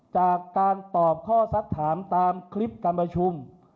จากการตอบข้อสักถามตามคลิปการประชุม